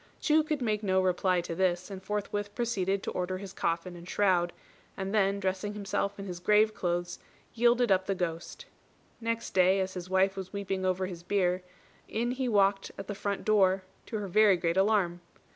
Chu could make no reply to this, and forthwith proceeded to order his coffin and shroud; and then, dressing himself in his grave clothes, yielded up the ghost. Next day, as his wife was weeping over his bier, in he walked at the front door, to her very great alarm.